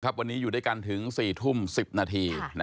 วันนี้อยู่ด้วยกันถึง๔ทุ่ม๑๐นาที